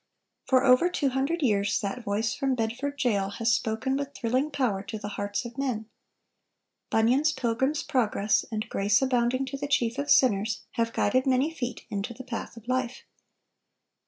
For over two hundred years that voice from Bedford jail has spoken with thrilling power to the hearts of men. Bunyan's "Pilgrim's Progress" and "Grace Abounding to the Chief of Sinners" have guided many feet into the path of life.